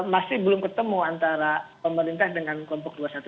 masih belum ketemu antara pemerintah dengan kelompok dua ratus dua belas